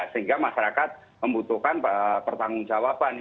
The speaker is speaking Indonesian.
sehingga masyarakat membutuhkan pertanggung jawaban